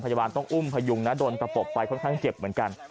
พยาบาลต้องอุ้มพยุงนะโดนตะปบไปค่อนข้างเจ็บเหมือนกัน